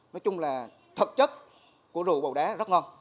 nói chung là thật chất của rượu bầu đá rất ngon